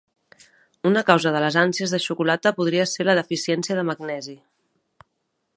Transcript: Una causa de les ànsies de xocolata podria ser la deficiència de magnesi.